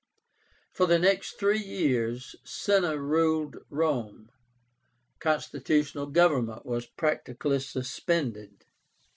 For the next three years Cinna ruled Rome. Constitutional government was practically suspended.